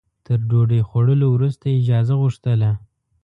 تر ډوډۍ خوړلو وروسته اجازه غوښتله.